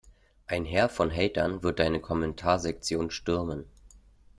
Ein Heer von Hatern wird deine Kommentarsektion stürmen.